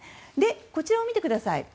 こちらを見てください。